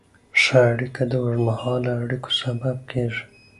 ښه اړیکه د اوږدمهاله اړیکو سبب کېږي.